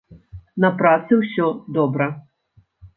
На працы ўсё добра.